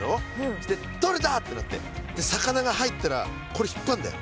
それでとれた！ってなって魚が入ったらこれ引っ張んだよ。